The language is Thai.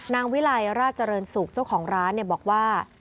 วิไลราชเจริญสุขเจ้าของร้านบอกว่า